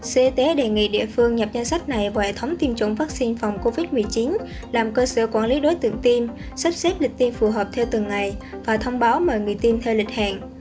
sở y tế đề nghị địa phương nhập danh sách này vào hệ thống tiêm chủng vaccine phòng covid một mươi chín làm cơ sở quản lý đối tượng tiêm sắp xếp lịch tiêm phù hợp theo từng ngày và thông báo mời người tin theo lịch hẹn